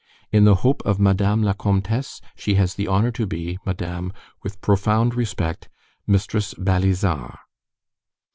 In the hope of Madame la Comtesse, she has the honor to be, Madame, with profound respect, MISTRESS BALIZARD.